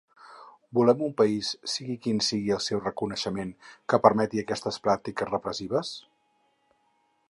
Volem un país, sigui quin sigui el seu reconeixement, que permeti aquestes pràctiques repressives?